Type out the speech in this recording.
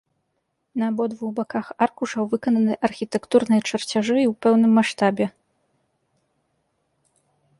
На абодвух баках аркушаў выкананы архітэктурныя чарцяжы ў і пэўным маштабе.